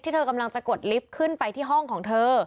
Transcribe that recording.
เธอกำลังจะกดลิฟต์ขึ้นไปที่ห้องของเธอ